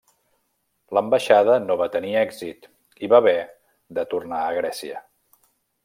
L'ambaixada no va tenir èxit i va haver de tornar a Grècia.